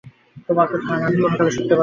তোমার ধার আমি কোন কালে শুধতে পারব না।